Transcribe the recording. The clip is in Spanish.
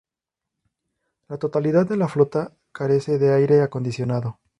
La totalidad de la flota carece de aire acondicionado.